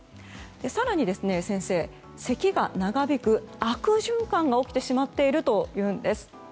更に、先生せきが長引く悪循環が起きてしまっているというんです。